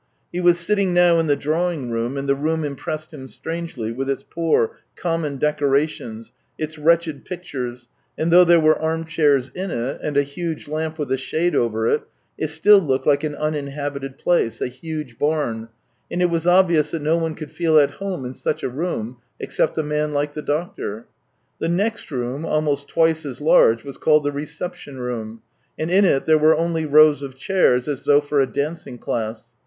He was sitting now in the drawing room, and the room impressed him strangely, with its poor, common decorations, its wretched pictures, and though there were arm chairs in it, and a huge lamp with a shade over it, it still looked Uke an uninhabited place, a huge barn, and it was obvious that no one could feel at home in such a room, except a man like the doctor. The next room, almost twice as large, was called the reception room, and in it there were only rows of chairs, as though for a dancing class.